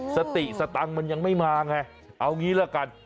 สติสตังค์มันยังไม่มาไงเอางี้ละกัน